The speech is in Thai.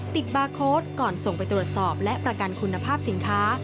บาร์โค้ดก่อนส่งไปตรวจสอบและประกันคุณภาพสินค้า